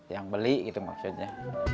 yang beli gitu maksudnya